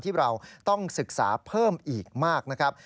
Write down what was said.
ที่เราต้องศึกษาเพิ่มอีกมากนะครับ